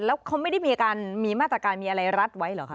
แล้วเขาไม่ได้มีมาตรการมีอะไรรัดไว้เหรอคะ